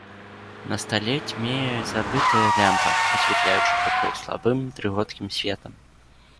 На стале цьмее забытая лямпа, асвятляючы пакой слабым дрыготкім светам.